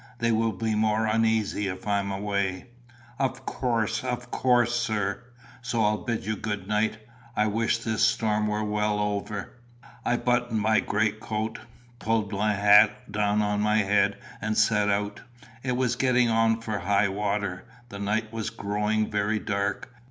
They will be more uneasy if I am away." "Of coorse, of coorse, sir." "So I'll bid you good night. I wish this storm were well over." I buttoned my great coat, pulled my hat down on my head, and set out. It was getting on for high water. The night was growing very dark.